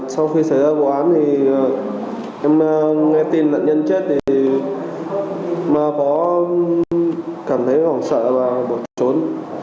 sau khi xảy ra vụ án thì em nghe tin là nhân chết mà có cảm thấy sợ và bỏ trốn